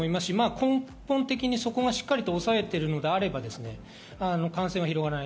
根本的にそこをしっかり押さえてあるのであれば感染は広がらない。